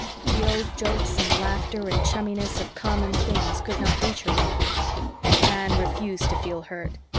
The old jokes and laughter and chumminess of common things could not reach her over it. Anne refused to feel hurt.